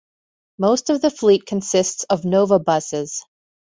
Most of the fleet consists of Nova Buses.